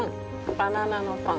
バナナのパン。